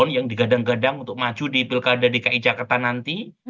dan biar berhenti ini gadang gadang untuk maju di pilkada dki jakarta nanti